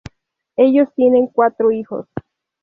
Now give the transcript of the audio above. Ellos tienen cuatro hijos.